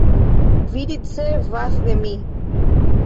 Vi ricevas de mi